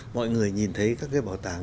mọi người nhìn thấy các cái bảo tàng